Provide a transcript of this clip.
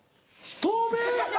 透明？